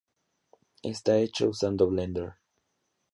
Está hecho usando Blender.